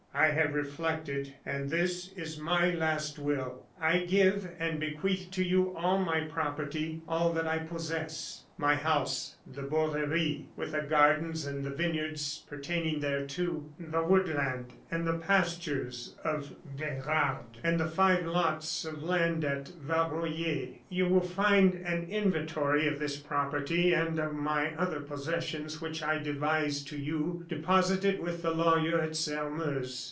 I have reflected, and this is my last will: "I give and bequeath to you all my property, all that I possess: "My house, the Borderie, with the gardens and vineyards pertaining thereto, the woodland and the pastures of Berarde, and five lots of land at Valrollier. "You will find an inventory of this property, and of my other possessions which I devise to you, deposited with the lawyer at Sairmeuse.